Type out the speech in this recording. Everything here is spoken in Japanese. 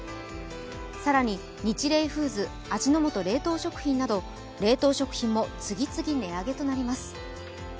更に、ニチレイフーズ味の素冷凍食品など冷凍食品も次々値上げとなります。